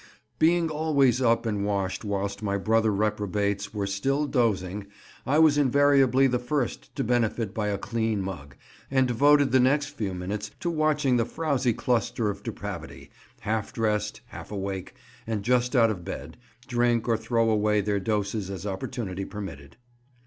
Being always up and washed whilst my brother reprobates were still dozing, I was invariably the first to benefit by a clean mug, and devoted the next few minutes to watching the frowsy cluster of depravity, half dressed, half awake, and just out of bed, drink or throw away their doses as opportunity permitted.